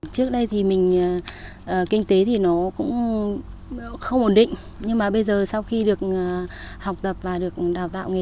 trước đây thì mình kinh tế thì nó cũng không ổn định nhưng mà bây giờ sau khi được học tập và được đào tạo nghề